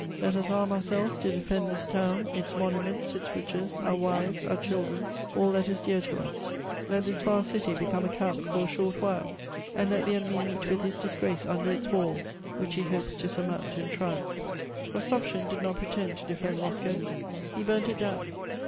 Let us arm ourselves to defend this town, its monuments, its riches, our wives, our children, all that is dear to us. Let this vast city become a camp for a short while, and let the enemy meet with his disgrace under its walls, which he hopes to surmount in triumph." Rostopschin did not pretend to defend Moscow; he burnt it down.